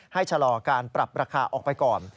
ชะลอการปรับราคาออกไปก่อน